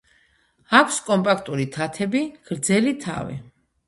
აქვს კომპაქტური თათები, გრძელი თავი.